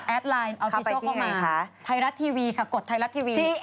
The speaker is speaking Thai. แอดไลน์เอาที่ช่วงเข้ามาไทรัสทีวีค่ะกดไทรัสทีวี